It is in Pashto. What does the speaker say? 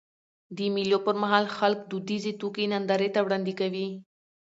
د مېلو پر مهال خلک دودیزي توکي نندارې ته وړاندي کوي.